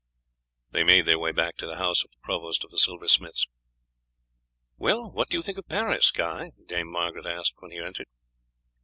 They made their way back to the house of the provost of the silversmiths. "Well, what do you think of Paris, Guy?" Dame Margaret asked when he entered.